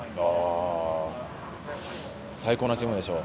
最高のチームでしょう。